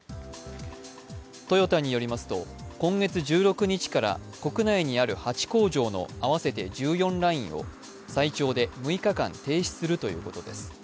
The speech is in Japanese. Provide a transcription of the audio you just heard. トヨタによりますと、今月１６日から国内にある８工場の合わせて１４ラインを最長で６日間停止するということです。